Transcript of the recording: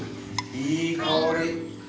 いい香り。